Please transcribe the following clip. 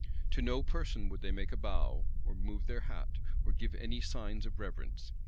To no person would they make a bow, or move their hat, or give any signs of reverence.